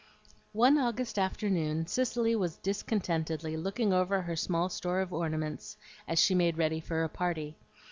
One August afternoon Cicely was discontentedly looking over her small store of ornaments as she made ready for a party.